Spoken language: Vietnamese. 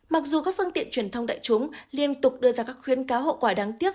mặc dù các phương tiện truyền thông đại chúng liên tục đưa ra các khuyến cáo hậu quả đáng tiếc